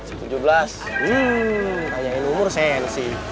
aduh tanyain umur sensi